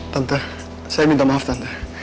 tante saya minta maaf tante